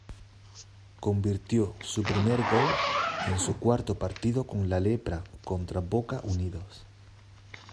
Convirtió su primer gol en su cuarto partido con la "lepra" contra Boca Unidos.